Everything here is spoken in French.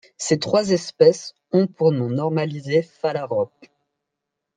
Ses trois espèces ont pour nom normalisé phalarope.